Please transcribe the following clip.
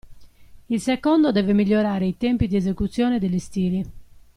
Il secondo deve migliorare i tempi di esecuzione degli stili.